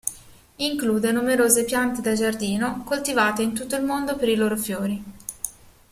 Include numerose piante da giardino, coltivate in tutto il mondo per i loro fiori.